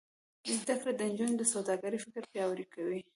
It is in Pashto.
زده کړه د نجونو د سوداګرۍ فکر پیاوړی کوي.